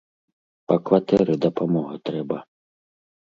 Па кватэры дапамога трэба.